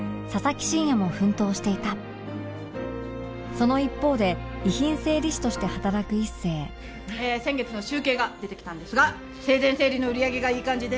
その一方で遺品整理士として働く一星えー先月の集計が出てきたんですが生前整理の売り上げがいい感じです。